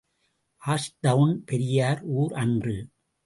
ஆஷ்டவுன் பெரிய ஊர் அன்று.